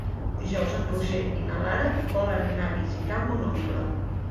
Dijous en Roger i na Lara volen anar a visitar mon oncle.